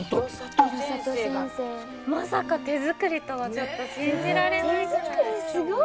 まさか手作りとはちょっと信じられないぐらい。